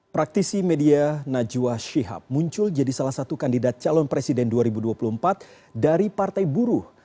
praktisi media najwa shihab muncul jadi salah satu kandidat calon presiden dua ribu dua puluh empat dari partai buruh